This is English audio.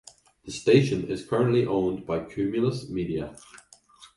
The station is currently owned by Cumulus Media.